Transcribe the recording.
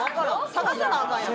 探さなあかんやん。